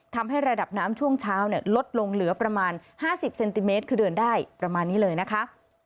ทำให้ระดับน้ำช่วงเช้าลดลงเหลือประมาณ๕๐เซนติเมตรคือเดินได้ประมาณนี้เลยนะคะ